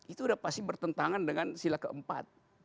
itu udah pasti bertentangan dengan sila keempat